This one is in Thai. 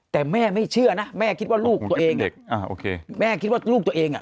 แต่แม่ไม่เชื่อนะแม่คิดว่าลูกตัวเองเด็กอ่าโอเคแม่คิดว่าลูกตัวเองอ่ะ